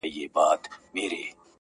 څو دوکانه څه رختونه څه مالونه،